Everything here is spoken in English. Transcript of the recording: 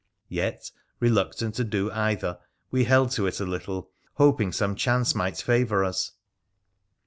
Yet, reluctant to do either, we held to it a little, hoping some chance might favour us.